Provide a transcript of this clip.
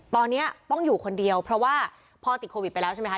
ตอนนี้ต้องอยู่คนเดียวเพราะว่าพ่อติดโควิดไปแล้วใช่ไหมคะ